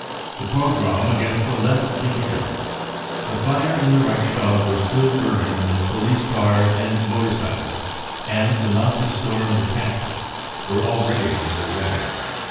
The Pogrom against the Left begins. The fire in the ■> Reichstag was still burning when police cars and motor cyclists c2nd the Nazi Storm Detachments were already on their way.